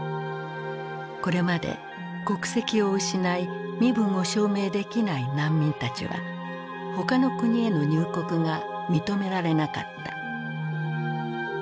これまで国籍を失い身分を証明できない難民たちは他の国への入国が認められなかった。